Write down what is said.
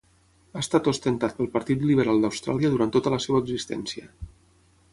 Ha estat ostentat pel Partit Liberal d'Austràlia durant tota la seva existència.